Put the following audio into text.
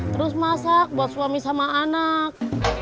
terus masak buat suami sama anak